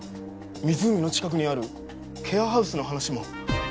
湖の近くにあるケアハウスの話も。